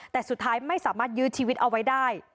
แต่สุดท้ายไม่สามารถยื้อชีวิตเอาไว้ได้